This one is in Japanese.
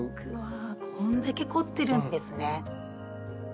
こんだけ凝ってるんですね。